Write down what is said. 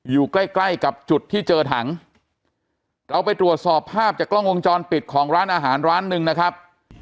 อยู่ใกล้ใกล้กับจุดที่เจอถังเราไปตรวจสอบภาพจากกล้องวงจรปิดของร้านอาหารร้านหนึ่งนะครับ